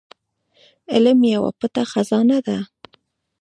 علم يوه پټه خزانه ده.